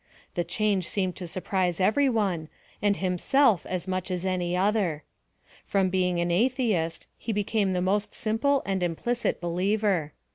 The change seemed to surprise every one, and himself as much as any other. From being an atlieist, he became the most simple and implicit believer.